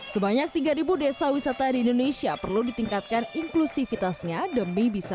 sebanyak tiga ribu desa wisata di indonesia perlu ditingkatkan inklusifitas nya demi bisa